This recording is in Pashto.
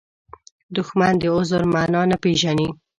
دښمن د عذر معنا نه پېژني